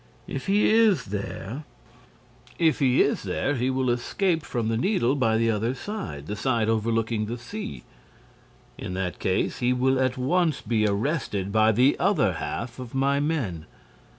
If he is there—" "If he is there, he will escape from the Needle by the other side, the side overlooking the sea." "In that case, he will at once be arrested by the other half of my men."